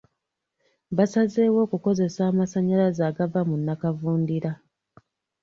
Basazeewo okukozesa amasannayaze agava mu nnakavundira.